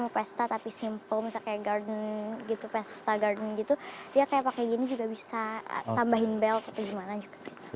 pesta tapi simple misalnya kayak garden gitu pesta garden gitu dia kayak pakai gini juga bisa tambahin belt atau gimana juga bisa